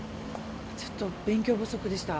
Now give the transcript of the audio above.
ちょっと勉強不足でした。